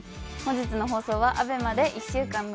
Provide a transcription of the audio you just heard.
本日の放送はアベマで１週間